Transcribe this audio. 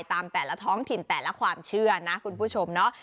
ตามแต่ละท้องถิ่นแต่ละความเชื่อนะคุณผู้ชมเนาะ